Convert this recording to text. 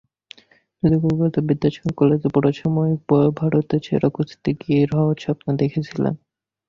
যদিও কলকাতার বিদ্যাসাগর কলেজে পড়ার সময় ভারতের সেরা কুস্তিগির হওয়ার স্বপ্ন দেখেছিলেন।